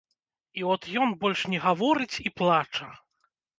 І от ён больш не гаворыць і плача.